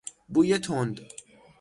بوی تند